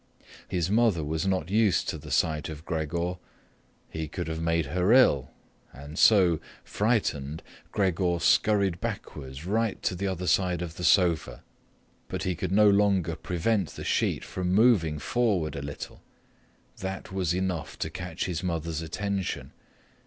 His mother was not used to the sight of Gregor; he could have made her ill, and so, frightened, Gregor scurried backwards right to the other end of the sofa, but he could no longer prevent the sheet from moving forward a little. That was enough to catch his mother's attention.